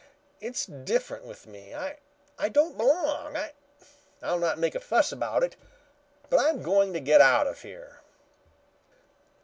It's different with me. I don't belong. I'll not make a fuss about it, but I'm going to get out of here."